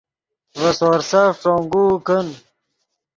ڤے سورسف ݯونگوؤ کن